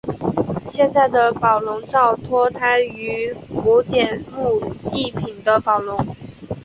现在的宝龙罩脱胎于古典木艺品的宝笼。